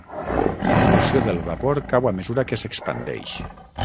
La pressió del vapor cau a mesura que s'expandeix.